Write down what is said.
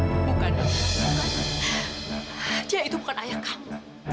bukan bukan dia itu bukan ayah kamu